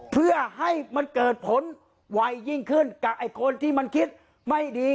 เพื่อให้มันเกิดผลไวยิ่งขึ้นกับไอ้คนที่มันคิดไม่ดี